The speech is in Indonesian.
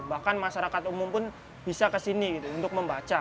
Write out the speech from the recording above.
bahkan masyarakat umum pun bisa ke sini untuk membaca